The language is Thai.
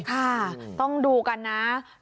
ค่ะต้องดูกันนะ